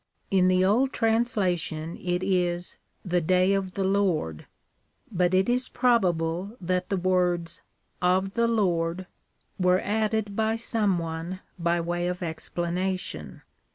In the old translation it is the day of the Lord,'^ but it is probable that the words of the Lord were added by some one by way of explanation.